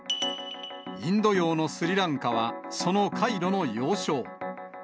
インド洋のスリランカはその海路の要衝。